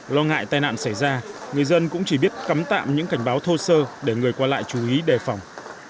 lo ngại tai nạn xảy ra người dân cũng chỉ biết cấm tạm những cảnh báo thô sơ để người qua lại chú ý đề phòng